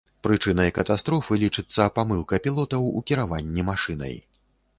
Прычынай катастрофы лічыцца памылка пілотаў у кіраванні машынай.